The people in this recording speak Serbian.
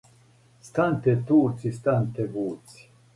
Стан'те Турци, стан'те вуци